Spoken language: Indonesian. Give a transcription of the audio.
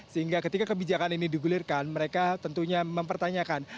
sehingga ketika kebijakan ini digulirkan mereka tentunya mempertanyakan